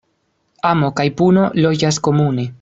Amo kaj puno loĝas komune.